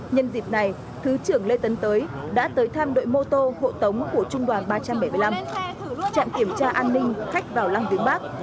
nhân dịp này thứ trưởng lê tấn tới đã tới thăm đội mô tô hộ tống của trung đoàn ba trăm bảy mươi năm trạm kiểm tra an ninh khách vào lăng viếng bắc